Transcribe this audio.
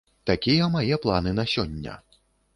Такія мае планы на сёння.